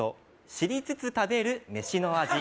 「知りつつ食べる飯の味」